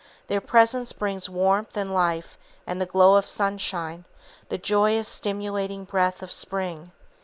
Their presence brings warmth and life and the glow of sunshine, the joyous, stimulating breath of spring.